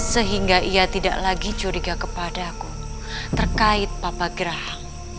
sehingga ia tidak lagi curiga padaku terkait papa gerahang